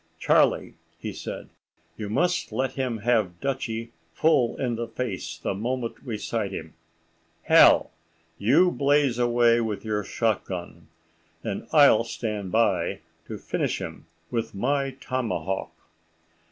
"Charlie," said he, "you must let him have Dutchie full in the face the moment we sight him.—Hal, you blaze away with your shot gun, and I'll stand by to finish him with my tomahawk."